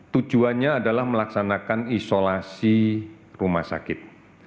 tujuannya adalah melaksanakan isolasi rumah sakit